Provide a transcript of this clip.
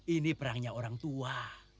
ini perangnya orang tua